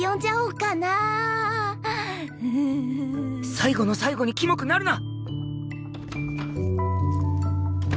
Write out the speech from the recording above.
最後の最後にキモくなるな！